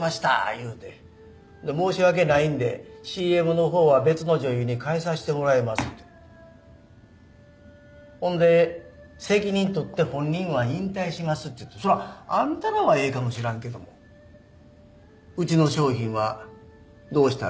いうて申し訳ないんでＣＭの方は別の女優に代えさしてもらいますってほんで責任取って本人は引退しますっつってそらあんたらはええかもしらんけどもうちの商品はどうしたらええ？